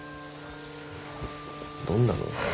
どんなの？